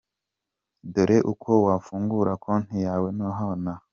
Dore uko wafungura Konti yawe nonaha.